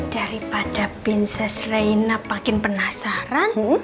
daripada prinses rena makin penasaran